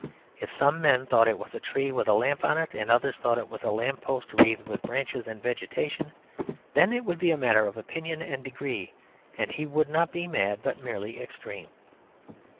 If some men thought it was a tree with a lamp on it, and others thought it was a lamp post wreathed with branches and vegetation, then it would be a matter of opinion and degree; and he would not be mad, but merely extreme.